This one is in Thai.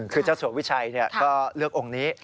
คือเจ้าสัววิชัยก็เลือกองค์นี้